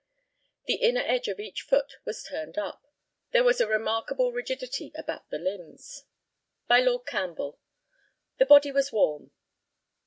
The inner edge of each foot was turned up. There was a remarkable rigidity about the limbs. By Lord CAMPBELL: The body was warm.